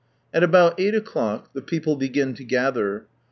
At about eight o'clock the people begin to gather.